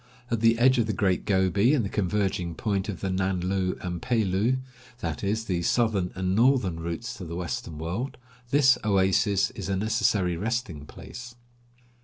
At the edge of the Great Gobi and the converging point of the Nan lu and Pe lu — that is, the southern and northern routes to the western world — this oasis is a necessary resting place.